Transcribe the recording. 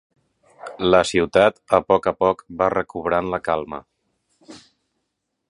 La ciutat a poc a poc va recobrant la calma.